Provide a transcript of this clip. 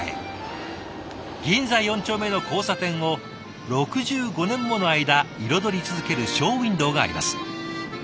銀座四丁目の交差点を６５年もの間彩り続けるショーウィンドーがあります。